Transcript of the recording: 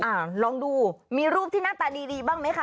อ่าลองดูมีรูปที่หน้าตาดีดีบ้างไหมคะ